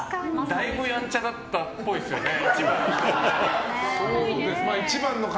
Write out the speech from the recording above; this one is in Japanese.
だいぶやんちゃだったっぽいですよね、１番の方。